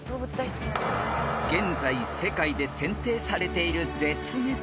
［現在世界で選定されている］